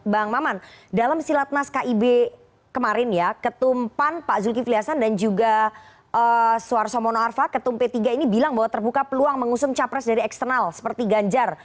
bang maman dalam silatnas kib kemarin ya ketum pan pak zulkifli hasan dan juga suarso mono arfa ketum p tiga ini bilang bahwa terbuka peluang mengusung capres dari eksternal seperti ganjar